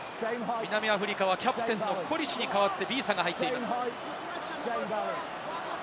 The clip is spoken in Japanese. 南アフリカはキャプテン、コリシに代わってヴィーサが入っています。